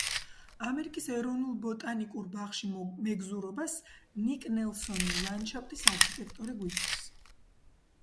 ამერიკის ეროვნულ ბოტანიკურ ბაღში მეგზურობას ნიკ ნელსონი, ლანდშაფტის არქიტექტორი გვიწევს.